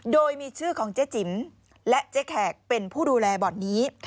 โดยมีชื่อของเจ๊จิ๋มและเจ๊แขกเป็นผู้ดูแลบ่อนนี้